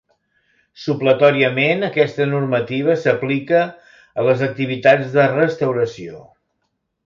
Supletòriament aquesta normativa s'aplica a les activitats de restauració.